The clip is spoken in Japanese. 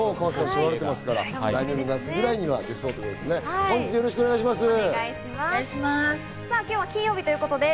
来年の夏ぐらいにはできそうということですね。